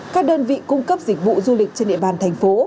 các đơn vị cung cấp dịch vụ du lịch trên địa bàn thành phố